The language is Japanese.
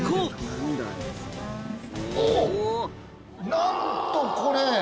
なんとこれ。